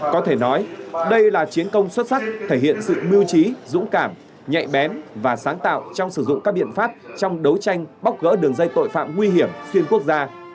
có thể nói đây là chiến công xuất sắc thể hiện sự mưu trí dũng cảm nhạy bén và sáng tạo trong sử dụng các biện pháp trong đấu tranh bóc gỡ đường dây tội phạm nguy hiểm xuyên quốc gia